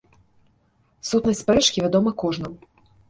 Сутнасць спрэчкі вядома кожнаму.